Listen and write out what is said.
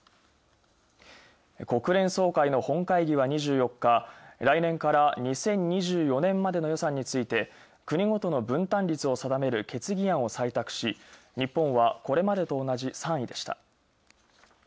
国連総会の本会議は２４日、来年から２０２４年までの予算について、国ごとの分担率を定める決議案を採択し、日本はこれまでと同じ３位でした。